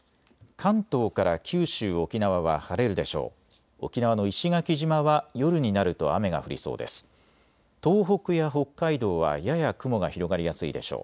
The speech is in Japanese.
関東から九州、沖縄は晴れるでしょう。